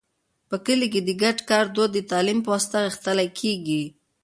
په کلي کې د ګډ کار دود د تعلیم په واسطه غښتلی کېږي.